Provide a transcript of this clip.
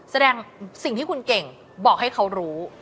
แสดงสิ่งที่คุณเก่งบอกให้เขารู้